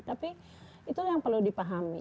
tapi itu yang perlu dipahami